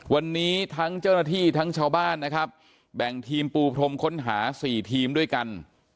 วันนี้ทั้งเจ้าหน้าที่ทั้งชาวบ้านนะครับแบ่งทีมปูพรมค้นหา๔ทีมด้วยกัน